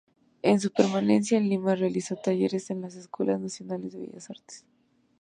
En su permanencia en Lima, realizó talleres en la Escuela Nacional de Bellas Artes.